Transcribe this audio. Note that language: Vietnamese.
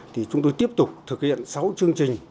thì chúng tôi tiếp tục thực hiện sáu chương trình